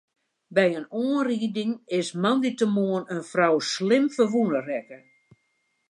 By in oanriding is moandeitemoarn in frou slim ferwûne rekke.